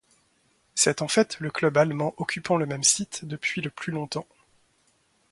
C’est en fait le club allemand occupant le même site depuis le plus longtemps.